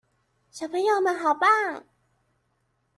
小朋友們好棒！